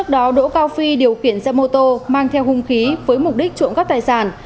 do đỗ cao phi điều kiện xe mô tô mang theo hung khí với mục đích trộm cắp tài sản